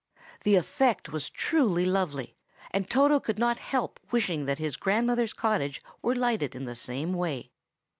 The effect was truly lovely, and Toto could not help wishing that his grandmother's cottage were lighted in the same way.